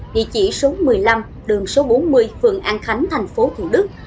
địa chỉ số một mươi năm đường số bốn mươi phường an khánh tp thủ đức